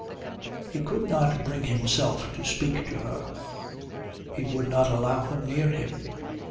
He could not bring himself to speak to her. He would not allow her near him.